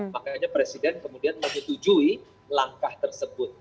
makanya presiden kemudian menyetujui langkah tersebut